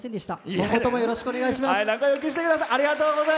今後ともよろしくお願いします。